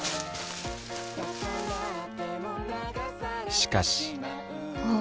しかしあっ。